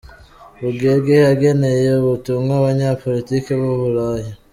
Rugege yageneye ubutumwa Abanyapolitiki b’u Burayi.